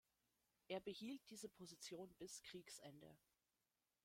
Er behielt diese Position bis Kriegsende.